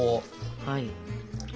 はい。